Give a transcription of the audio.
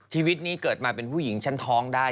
ชีวิตนี้เกิดมาเป็นผู้หญิงฉันท้องได้